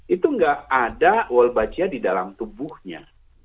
itu nggak ada wolbachia di dalam tubuhnya